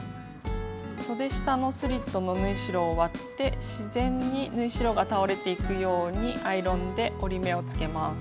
そで下のスリットの縫い代を割って自然に縫い代が倒れていくようにアイロンで折り目をつけます。